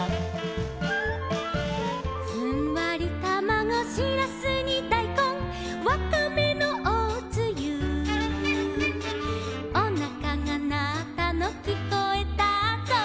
「ふんわりたまご」「しらすにだいこん」「わかめのおつゆ」「おなかがなったのきこえたぞ」